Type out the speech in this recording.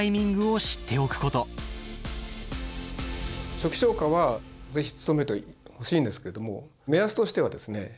初期消火は是非努めてほしいんですけども目安としてはですね